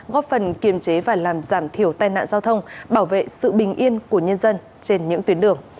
góp phần kiềm chế và làm giảm thiểu tai nạn giao thông bảo vệ sự bình yên của nhân dân trên những tuyến đường